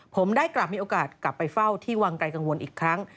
ผมได้กลับมีโอกาสกลับไปเฝ้าที่วังไกลกังวลอีกครั้ง